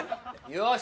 よし！